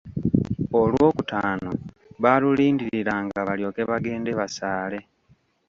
Olwokutaano baalulindiriranga balyoke bagende basaale.